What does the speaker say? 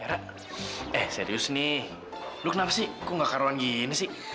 eh rah eh serius nih lo kenapa sih kok gak karoan gini sih